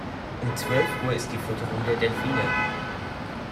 Um zwölf Uhr ist die Fütterung der Delfine.